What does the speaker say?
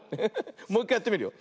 もういっかいやってみるよ。